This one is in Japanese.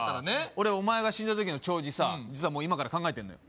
俺お前が死んだ時の弔辞さ実はもう今から考えてんのよ